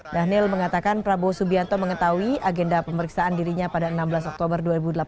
dhanil mengatakan prabowo subianto mengetahui agenda pemeriksaan dirinya pada enam belas oktober dua ribu delapan belas